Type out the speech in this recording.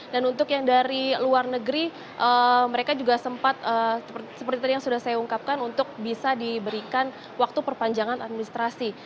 dan untuk yang dari luar negeri mereka juga sempat seperti tadi yang sudah saya ungkapkan untuk bisa diberikan waktu perpanjangan administrasi